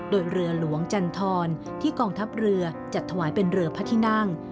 โดยเรือหลวงจันทรที่กองทัพเรือจัดถวายเป็นเรือพระที่นั่ง